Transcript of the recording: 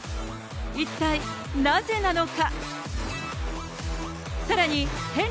一体なぜなのか。